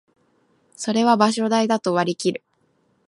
それは場所代だと割りきる